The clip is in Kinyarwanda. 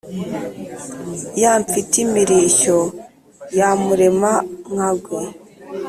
ya mfitimirishyo ya murema-nkagwe,